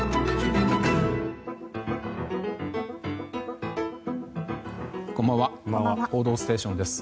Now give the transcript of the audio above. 「報道ステーション」です。